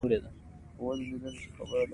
عقلانیت له غیرعقلاني کړنو سره مقابله کوي